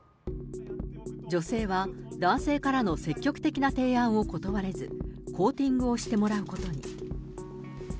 女性は男性からの積極的な提案を断れず、コーティングをしてもらうことに。